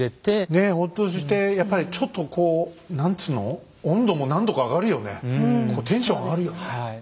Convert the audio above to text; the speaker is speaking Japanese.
ねえほっとしてやっぱりちょっとこう何ていうの温度も何度か上がるよねこうテンション上がるよね。